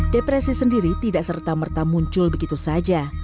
depresi sendiri tidak serta merta muncul begitu saja